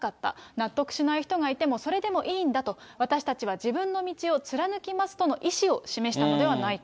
納得しない人がいてもそれでもいいんだと、私たちは自分の道を貫きますとの意思を示したのではないか。